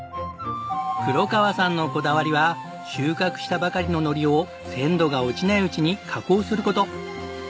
黒川さんのこだわりは収穫したばかりの海苔を鮮度が落ちないうちに加工する事。